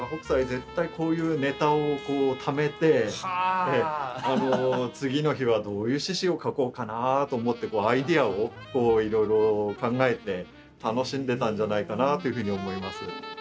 絶対こういうネタをためて次の日はどういう獅子を描こうかなと思ってアイデアをいろいろ考えて楽しんでたんじゃないかなっていうふうに思います。